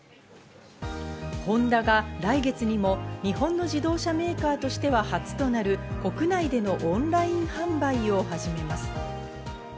ホンダが来月にも日本の自動車メーカーとしては初となる国内でのオンライン販売を始めます。